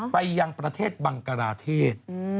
ไปยังประเทศบังกราเทศ